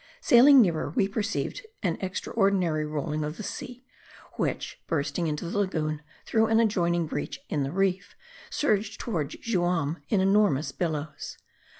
> Sailing nearer, we perceived an extraordinary rolling of the sea, which bursting into the lagoon through an adjoin ing breach in the reef, surged toward Juam in enormous bil lows.